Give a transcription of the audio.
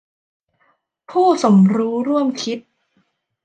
ผู้สมรู้ร่วมคิด